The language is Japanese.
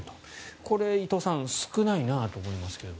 これ伊藤さん少ないなと思いますが。